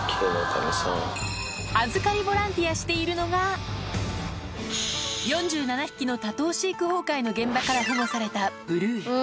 預かりボランティアしているのが、４７匹の多頭飼育崩壊の現場から保護されたブルー。